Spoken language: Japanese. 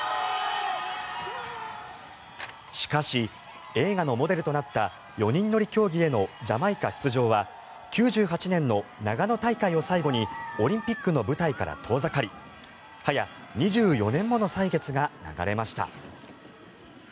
しかし、映画のモデルとなった４人乗り競技へのジャマイカ出場は９８年の長野大会を最後にオリンピックの舞台から遠ざかり早２４年もの歳月が流れました。